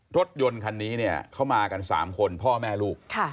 รถยนต์คันนี้เนี่ยเขามากัน๓คนพ่อแม่ลูก